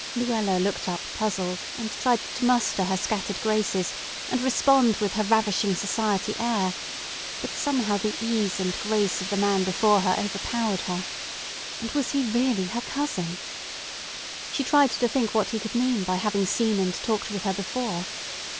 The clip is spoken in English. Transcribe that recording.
Luella looked up puzzled, and tried to muster her scattered graces, and respond with her ravishing society air; but somehow the ease and grace of the man before her overpowered her. And was he really her cousin? She tried to think what he could mean by having seen and talked with her before.